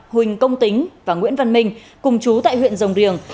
huỳnh công tính và nguyễn văn minh cùng chú tại huyện rồng riềng